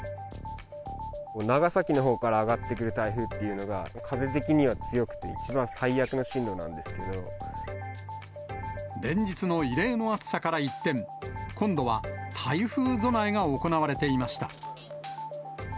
長崎のほうから上がってくる台風っていうのが、風的には強くて、連日の異例の暑さから一転、今度は台風備えが行われていました。